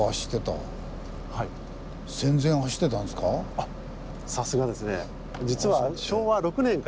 あっさすがですね。